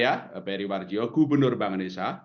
saya periwaryo gubernur bank indonesia